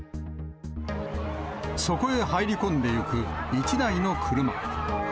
そこへ入り込んでいく１台の車。